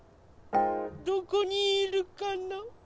どこにいるかな？